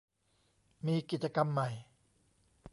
มีกิจกรรมใหม่